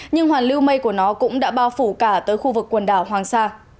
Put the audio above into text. nhưng hoàn lưu mây của nó cũng đã bao phủ cả tới khu vực quần đảo hoàng sa